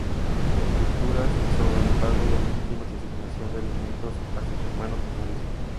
Escrituras sobre el pago de legítimas y asignación de alimentos a sus hermanos menores.